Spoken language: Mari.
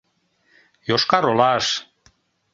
— Йошкар-Олаш.